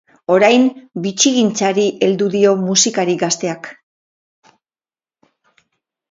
Orain, bitxigintzari heldu dio musikari gazteak.